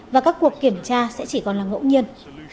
và các cuộc kiểm tra sẽ chỉ còn là ngẫu nhiên